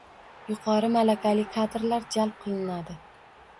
- yuqori malakali kadrlar jalb qilinadi;